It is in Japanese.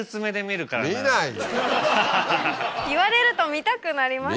言われると見たくなります。